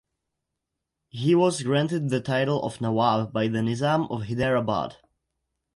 He was granted the title of Nawab by the Nizam of Hyderabad.